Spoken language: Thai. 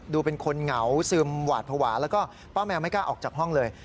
เป็นคนเหงาซึมหวาดภาวะแล้วก็ป้าแมวไม่กล้าออกจากห้องเลย